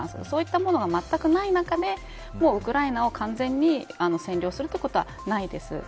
そういったものがまったくない中でウクライナを完全に占領することはないです。